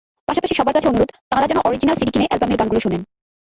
পাশাপাশি সবার কাছে অনুরোধ, তাঁরা যেন অরিজিন্যাল সিডি কিনে অ্যালবামের গানগুলো শোনেন।